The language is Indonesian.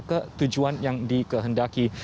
ke tujuan yang dikehendaki